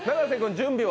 準備は？